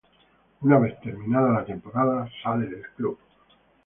Una vez terminada la temporada sale del club.